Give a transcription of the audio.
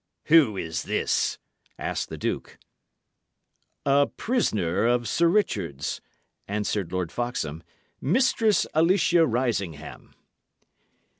"Who is this?" asked the duke. "A prisoner of Sir Richard's," answered Lord Foxham; "Mistress Alicia Risingham."